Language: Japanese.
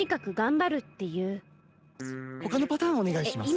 ほかのパターンおねがいします。